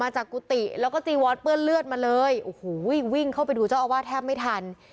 จากกุฏิแล้วก็จีวอนเปื้อนเลือดมาเลยโอ้โหวิ่งเข้าไปดูเจ้าอาวาสแทบไม่ทัน